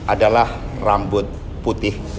adalah rambut putih